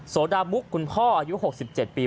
โดามุกคุณพ่ออายุ๖๗ปี